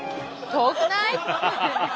遠くない？